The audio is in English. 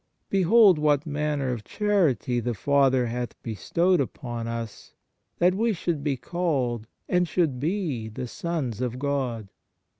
Behold what manner of charity the Father hath bestowed upon us, that we should be called, and should be the sons of God."